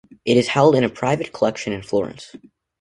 It is held in a private collection in Florence.